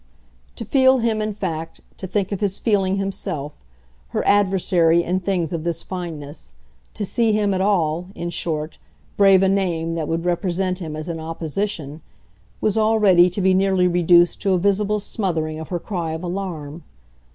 To feel him in fact, to think of his feeling himself, her adversary in things of this fineness to see him at all, in short, brave a name that would represent him as in opposition was already to be nearly reduced to a visible smothering of her cry of alarm.